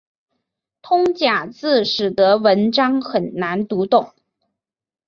通假字使得文章很难读懂。